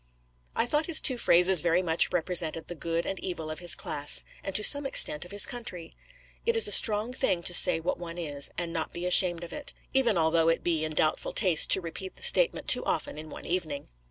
I thought his two phrases very much represented the good and evil of his class, and to some extent of his country. It is a strong thing to say what one is, and not be ashamed of it; even although it be in doubtful taste to repeat the statement too often in one evening.